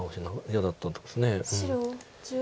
嫌だったんです。